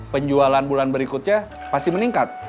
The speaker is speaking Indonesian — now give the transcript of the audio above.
penjualan bulan berikutnya pasti meningkat